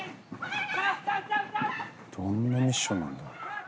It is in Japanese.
どんなミッションなんだ？